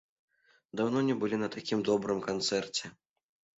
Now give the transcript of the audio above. Даўно не былі на такім добрым канцэрце!